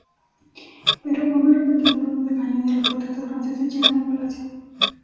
Pero, con un repentino ruido de cañones, los patriotas franceses llegan al palacio.